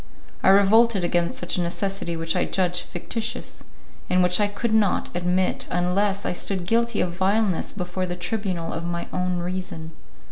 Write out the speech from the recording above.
I revolted against such a necessity which I judged fictitious, and which I could not admit unless I stood guilty of vileness before the tribunal of my own reason.